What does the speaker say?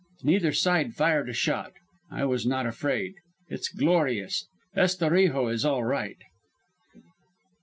Neither side fired a shot. I was not afraid. It's glorious. Estorijo is all right.